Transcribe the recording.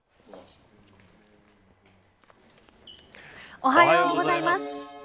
おはようございます。